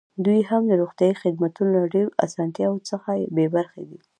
دوی هم د روغتیايي خدمتونو له ډېرو اسانتیاوو څخه بې برخې دي.